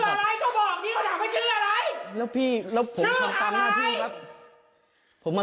ก็อยากถามว่าชื่ออะไรไง